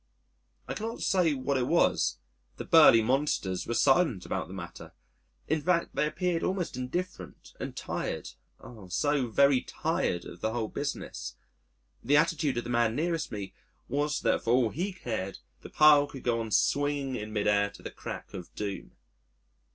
I cannot say what it was. The burly monsters were silent about the matter.... In fact they appeared almost indifferent and tired, oh! so very tired of the whole business. The attitude of the man nearest me was that for all he cared the pile could go on swinging in mid air to the crack of Doom.